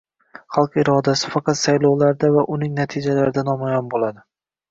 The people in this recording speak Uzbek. Xalq irodasi faqat saylovlarda va uning natijalarida namoyon bo'ladi